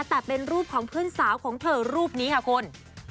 แต่เป็นรูปของเพื่อนสาวของเธอรูปนี้ค่ะคุณ